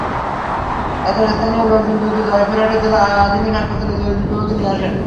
তাঁদের স্থানীয় লোকজন দ্রুত জয়পুরহাট জেলা আধুনিক হাসপাতালের জরুরি বিভাগে নিয়ে আসেন।